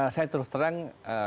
saya terus terang